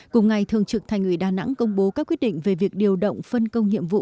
cùng ngày thường trực thành ủy đà nẵng công bố các quyết định về việc điều động phân công nhiệm vụ